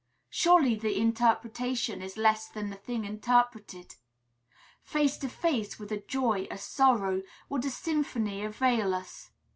Surely, the interpretation is less than the thing interpreted. Face to face with a joy, a sorrow, would a symphony avail us?